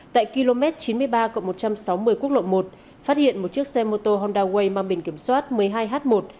tại km chín mươi ba một trăm sáu mươi quốc lộ một phát hiện một chiếc xe mô tô honda way mang bền kiểm soát một mươi hai h một ba mươi bảy nghìn ba trăm bốn mươi năm